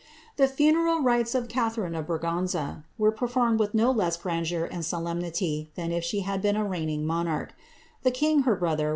The funeral rites of Braganza were performed with no less grandeur and solem* she had been a reigning monarch. The king, her brother